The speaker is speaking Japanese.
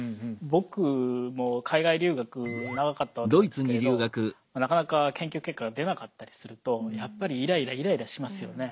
僕も海外留学長かったわけなんですけれどなかなか研究結果が出なかったりするとやっぱりイライライライラしますよね。